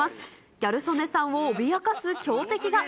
ギャル曽根さんを脅かす強敵が。